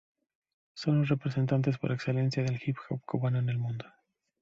Son los representantes por excelencia del hip-hop cubano en el mundo.